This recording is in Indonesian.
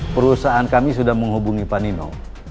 perusahaan kami sudah menghubungi pak nino